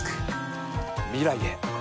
未来へ。